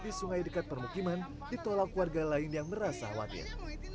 di sungai dekat permukiman ditolak warga lain yang merasa khawatir